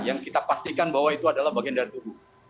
yang kita pastikan bahwa itu adalah bagian dari tubuh